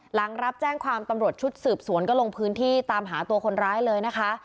หลังรับแจ้งความตำรวจชุดสืบสวนก็ลงพื้นที่ตามหาตัวคนร้ายเลยนะคะ